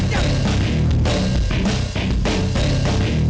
setelah behind tim baru nih